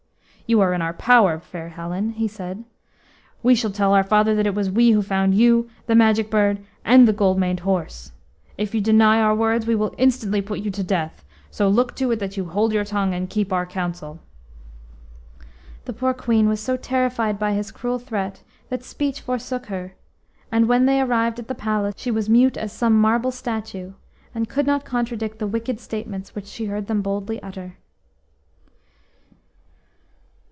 "You are in our power, fair Helen," he said. "We shall tell our father that it was we who found you, the Magic Bird, and the gold maned horse. If you deny our words, we will instantly put you to death, so look to it that you hold your tongue, and keep our counsel." The poor Queen was so terrified by his cruel threat that speech forsook her, and when they arrived at the palace she was mute as some marble statue, and could not contradict the wicked statements which she heard them boldly utter.